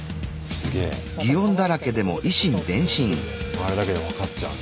あれだけで分かっちゃうんだ。